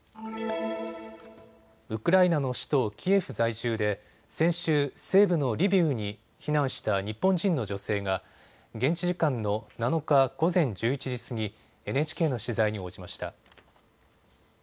ウクライナの首都キエフ在住で先週、西部のリビウに避難した日本人の女性が現地時間の７日午前１１時過ぎ、ＮＨＫの取材に応じました。